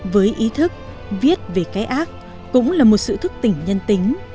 với ý thức viết về cái ác cũng là một sự thức tỉnh nhân tính